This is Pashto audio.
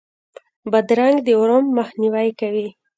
بادرنګ د ورم مخنیوی کوي.